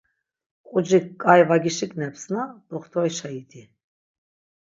Qucik k̆ai va gişignepsna doxtorişa idi.